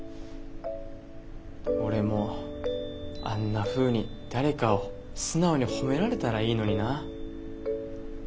俺もあんなふうに誰かを素直に褒められたらいいのにな。